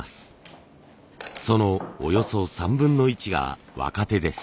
そのおよそ３分の１が若手です。